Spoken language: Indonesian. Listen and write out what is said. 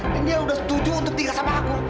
dan dia udah setuju untuk tinggal sama aku